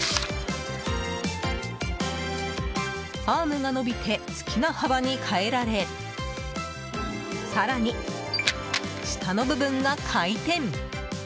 アームが伸びて好きな幅に変えられ更に、下の部分が回転。